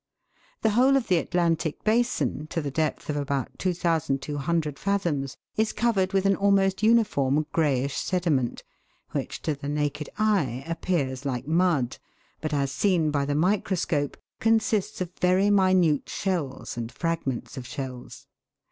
The. whole of the Atlantic basin, to the depth of about 2,200 fathoms, is covered with an almost uniform greyish sediment, which to the naked eye appears like mud, but as seen by the microscope consists of very minute shells and fragments of shells.